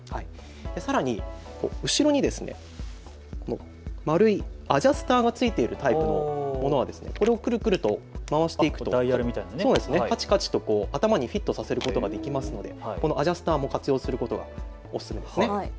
さらに後ろに丸いアジャスターがついているタイプのものはこれをくるくると回していくとかちかちと頭にフィットさせることができますのでこのアジャスターを活用することがおすすめです。